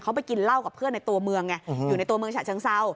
เขาไปกินเหล้ากับเพื่อนในตัวเมืองไงอยู่ในตัวเมืองฉะเชิงเศร้า